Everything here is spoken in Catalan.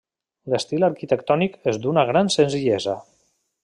L'estil arquitectònic és d'una gran senzillesa.